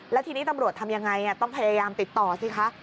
แล้วทีนี้ตำรวจทำยังไงต้องพยายามติดต่อสิคะ